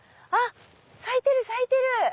咲いてる咲いてる！